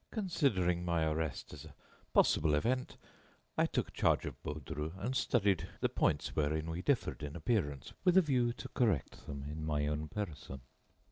Considering my arrest as a possible event, I took charge of Baudru and studied the points wherein we differed in appearance with a view to correct them in my own person.